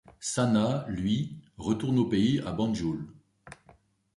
Sanna lui, retourne au pays à Banjul.